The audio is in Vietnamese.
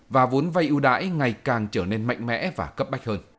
và vốn vay ưu đãi ngày càng trở lại